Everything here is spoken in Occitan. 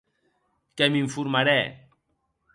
Que m’informarè.